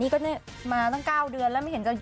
นี่ก็มาตั้ง๙เดือนแล้วไม่เห็นจะ